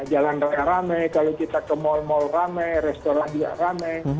jalan rame rame kalau kita ke mal mal rame restoran juga rame